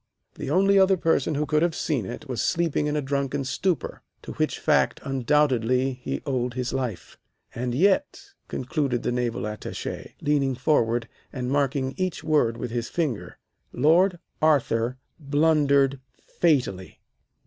The only other person who could have seen it was sleeping in a drunken stupor, to which fact undoubtedly he owed his life. And yet," concluded the Naval Attache, leaning forward and marking each word with his finger, "Lord Arthur blundered fatally.